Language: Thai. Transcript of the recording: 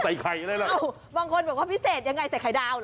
ใส่ใครแล้วบางคนบอกว่าพิเศษยังไงใส่ไข่ดาว